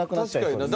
確かにな。